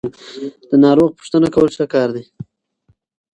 د ناروغ پوښتنه کول ښه کار دی.